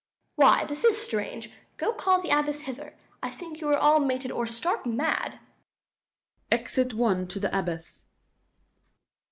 _ Why, this is strange. Go call the abbess hither. 280 I think you are all mated, or stark mad. [_Exit one to the Abbess.